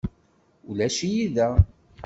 Ulac-iyi da.